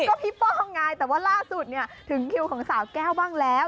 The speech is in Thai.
ก็พี่ป้องไงแต่ว่าล่าสุดเนี่ยถึงคิวของสาวแก้วบ้างแล้ว